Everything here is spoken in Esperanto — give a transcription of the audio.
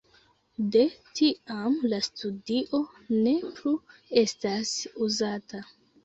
De tiam la studio ne plu estas uzata.